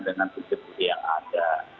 dengan sikip yang ada